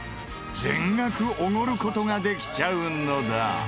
全額おごる事ができちゃうのだ。